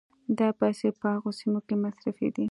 دا پيسې به په هغو سيمو کې مصرفېدې